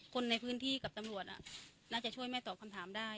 คนในพื้นที่กับตำรวจน่าจะช่วยแม่ตอบคำถามได้